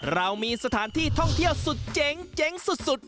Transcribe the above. เรามีสถานที่ท่องเที่ยวสุดเจ๋งสุด